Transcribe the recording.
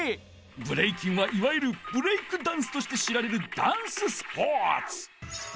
ブレイキンはいわゆるブレイクダンスとして知られるダンススポーツ！